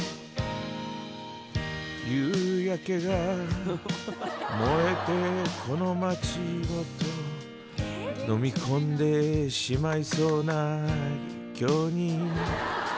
夕焼けが燃えてこの街ごと飲み込んでしまいそうな今日に